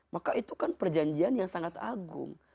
maka itu kan perjanjian yang sangat agung